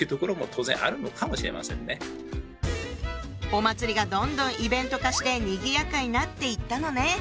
お祭りがどんどんイベント化してにぎやかになっていったのね。